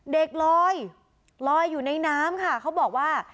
เด็กลอยลอยอยู่ในน้ำค่ะเขาบอกว่า